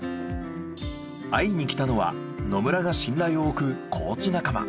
会いにきたのは野村が信頼をおくコーチ仲間。